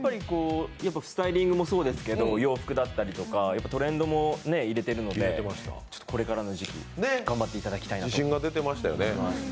スタイリングもそうですけど洋服だったりとかトレンドも入れてるので、これからの時期、頑張っていただきたいなと。